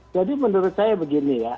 jadi menurut saya begini ya